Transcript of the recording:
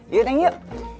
yuk teng yuk